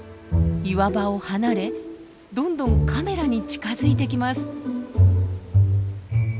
岩場を離れどんどんカメラに近づいてきます！